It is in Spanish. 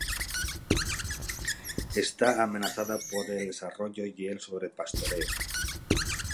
Está amenazada por el desarrollo y el sobrepastoreo.